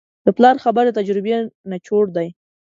د پلار خبرې د تجربې نچوړ دی.